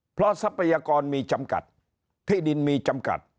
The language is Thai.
เพราะทรัพยากรมีจำกัดที่ดินมีจำกัด